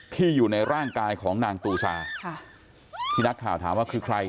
อยู่ในร่างกายของนางตูซาค่ะที่นักข่าวถามว่าคือใคร